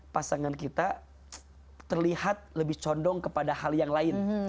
pasangan kita terlihat lebih condong kepada hal yang lain